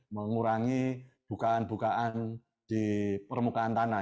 mengurangi bukaan bukaan di permukaan tanah